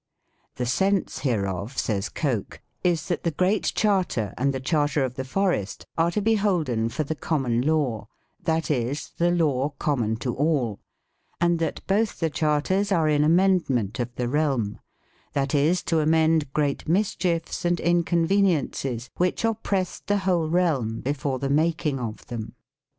" The sense hereof," says Coke, " is, that the Great Charter and the Charter of the Forest are to be holden for the Common Law, that is, the law common to all ; and that both the charters are in amendment of the realm ; that is to amend great mischiefs and inconveniences which oppressed the whole realm before the making of them."